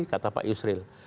kata pak yusril